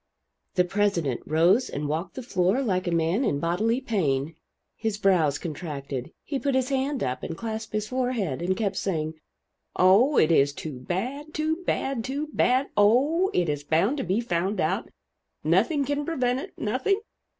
The president rose and walked the floor like a man in bodily pain. His brows contracted, he put his hand up and clasped his forehead, and kept saying, "Oh, it is, too bad, too bad, too bad! Oh, it is bound to be found out nothing can prevent it nothing!"